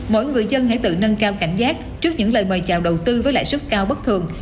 mỗi người dân hãy tự nâng cao cảnh giác trước những lời mời chào đầu tư với lãi suất cao bất thường